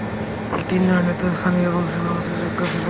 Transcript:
এই তিনজনই নেতৃস্থানীয় এবং সেনাপতির যোগ্য ছিলেন।